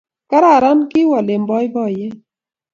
kararan, kiwol eng poipoiyet